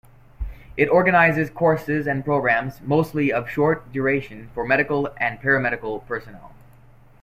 It organizes courses and programmes, mostly of short duration for medical and para-medical personnel.